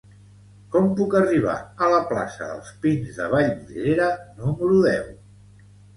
Com puc arribar a la plaça dels Pins de Vallvidrera número deu?